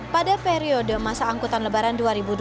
pada periode masa angkutan lebaran dua ribu dua puluh